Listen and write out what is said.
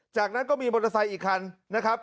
จากนั้นก็มีมอเตอร์ไซค์อีกคันนะครับ